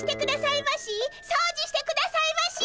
そうじしてくださいまし！